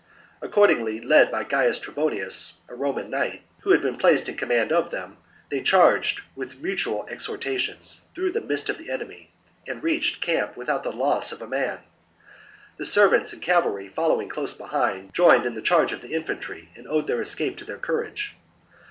Accordingly, led by Gains Trebonius, a Roman knight, who had been placed in command of them, they charged, with mutual exhortations, through the midst of the enemy, and reached camp without the loss of a man. The servants and cavalry, following close behind, joined in the charge of the infantry and owed their escape to their courage.